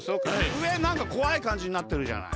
うえなんかこわいかんじになってるじゃない。